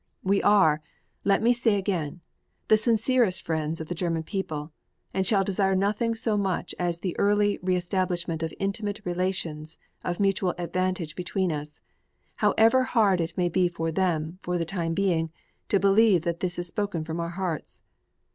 We are, let me say again, the sincere friends of the German people, and shall desire nothing so much as the early re establishment of intimate relations of mutual advantage between us however hard it may be for them, for the time being, to believe that this is spoken from our hearts.